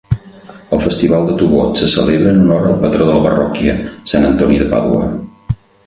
El festival de Tubod se celebra en honor al patró de la parròquia, Sant Antoni de Pàdua.